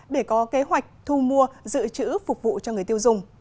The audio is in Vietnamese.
để có kế hoạch thu mua dự trữ phục vụ cho người tiêu dùng